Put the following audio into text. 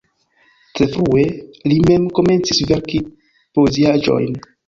Tre frue li mem komencis verki poeziaĵojn.